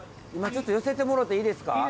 今ちょっと寄せてもろていいですか？